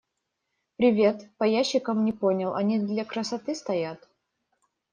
Привет, по ящикам не понял, они для красоты стоят?